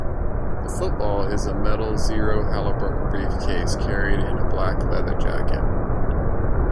The football is a metal Zero Halliburton briefcase carried in a black leather "jacket".